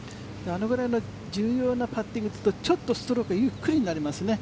あのぐらいの重要なパッティングだとちょっとストロークゆっくりになりますね。